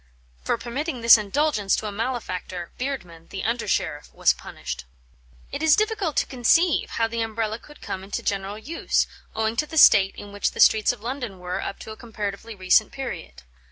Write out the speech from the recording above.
For permitting this indulgence to a malefactor, Beardman, the under sheriff, was punished. It is difficult to conceive how the Umbrella could come into general use, owing to the state in which the streets of London were up to a comparatively recent period.